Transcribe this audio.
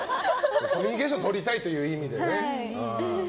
コミュニケーションをとりたいという意味でね。